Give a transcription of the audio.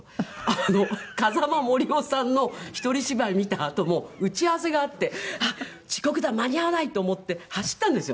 風間杜夫さんのひとり芝居見たあとも打ち合わせがあってあっ遅刻だ間に合わない！と思って走ったんですよ。